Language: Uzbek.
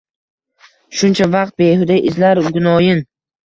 Shuncha vaqt behuda izlar gunoyim.